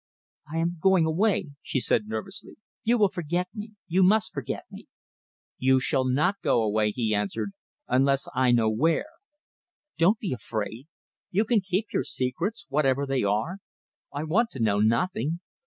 "I am going away," she said nervously. "You will forget me. You must forget me." "You shall not go away," he answered, "unless I know where. Don't be afraid. You can keep your secrets, whatever they are. I want to know nothing.